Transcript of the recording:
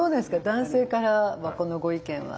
男性からはこのご意見はどう。